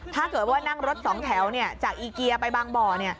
ถ้าเกิดว่านั่งรถสองแถวจากอีเกียร์ไปบางบ่อ